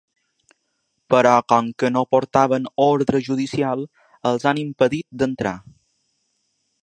Però com que no portaven ordre judicial els han impedit d’entrar.